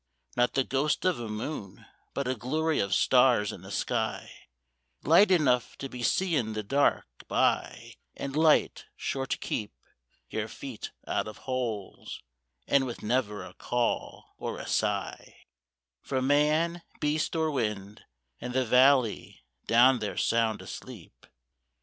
Not the ghost of a moon but a glory of stars in the sky, Light enough to be seein' the dark by, an' light sure to keep Your feet out of holes, and with never a call or a sigh From man, beast, or wind, and the valley down there sound asleep.